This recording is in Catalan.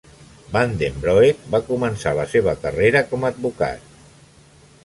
Van den Broek va començar la seva carrera com a advocat.